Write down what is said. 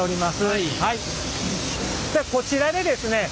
でこちらでですね